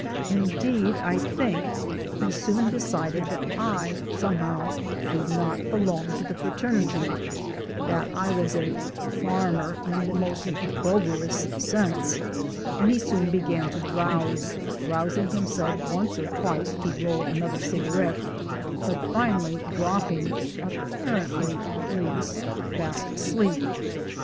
Indeed, I think he soon decided that I somehow did not belong to the fraternity, that I was a "farmer" in the most opprobrious sense and he soon began to drowse, rousing himself once or twice to roll another cigarette, but finally dropping (apparently, at least) fast asleep.